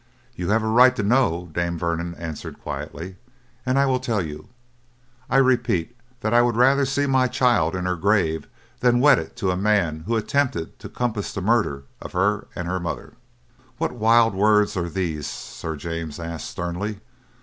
"You have a right to know," Dame Vernon answered quietly, "and I will tell you. I repeat that I would rather see my child in her grave than wedded to a man who attempted to compass the murder of her and her mother." "What wild words are these?" Sir James asked sternly.